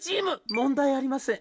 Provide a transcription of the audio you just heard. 「問題ありません。